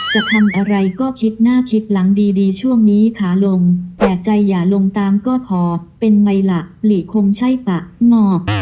จะทำอะไรก็คิดหน้าคิดหลังดีช่วงนี้ขาลงแต่ใจอย่าลงตามก็พอเป็นไงล่ะหลีคงใช่ปะงอก